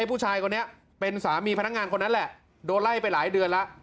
ผู้ชายคนนี้เป็นสามีพนักงานคนนั้นแหละโดนไล่ไปหลายเดือนแล้ว